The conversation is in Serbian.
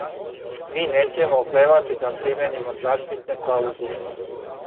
Ми нећемо оклевати да применимо заштитне клаузуле.